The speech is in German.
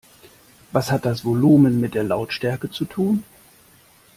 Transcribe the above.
Was hat das Volumen mit der Lautstärke zu tun?